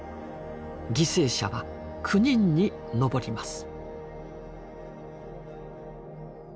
犠牲者は９人に上ります。